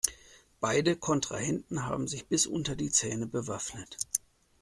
Beide Kontrahenten haben sich bis unter die Zähne bewaffnet.